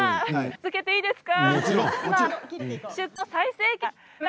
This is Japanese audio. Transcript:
続けていいですか？